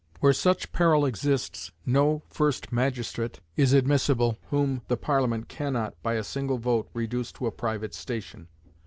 Where such peril exists, no first magistrate is admissible whom the Parliament can not, by a single vote, reduce to a private station.